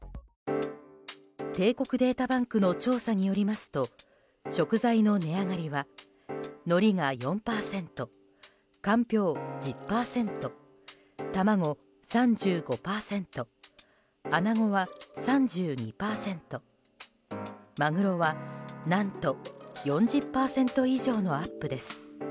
帝国データバンクの調査によりますと食材の値上がりはのりが４％、かんぴょう１０％卵３５％、アナゴは３２％マグロは、何と４０％以上のアップです。